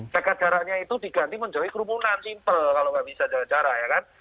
jaga jaraknya itu diganti menjadi kerumunan simple kalau nggak bisa jaga jarak ya kan